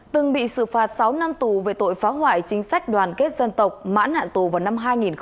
từng bị xử phạt sáu năm tù về tội phá hoại chính sách đoàn kết dân tộc mãn hạn tù vào năm hai nghìn một mươi